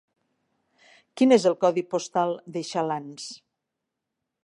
Quin és el codi postal de Xalans?